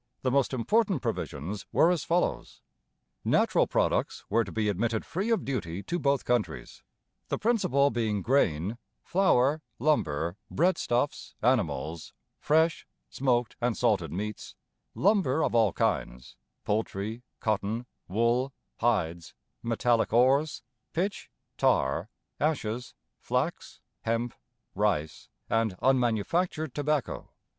The most important provisions were as follows. Natural products were to be admitted free of duty to both countries, the principal being grain, flour, lumber, bread stuffs, animals, fresh, smoked and salted meats, lumber of all kinds, poultry, cotton, wool, hides, metallic ores, pitch, tar, ashes, flax, hemp, rice, and unmanufactured tobacco.